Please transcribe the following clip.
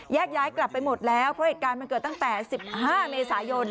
แยกย้ายกลับไปหมดแล้วเพราะหน้าเหตุการณ์มันเกิดตั้งแต่สิบห้าเมษายน